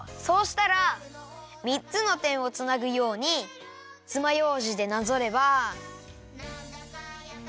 そうしたらみっつのてんをつなぐようにつまようじでなぞれば。